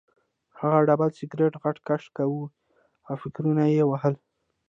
هغه ډبل سګرټ غټ کش کاوه او فکرونه یې وهل